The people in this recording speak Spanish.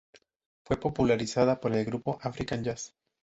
Fue popularizada por el grupo African Jazz.